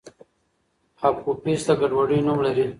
اپوفیس د ګډوډۍ نوم لري.